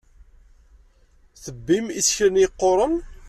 Tebbim isekla-nni yeqquren.